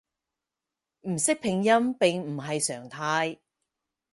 唔識拼音並唔係常態